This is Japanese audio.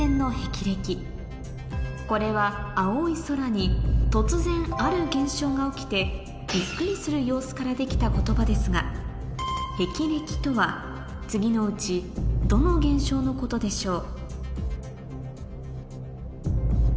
これは青い空に突然ある現象が起きてびっくりする様子から出来た言葉ですが「霹靂」とは次のうちどの現象のことでしょう？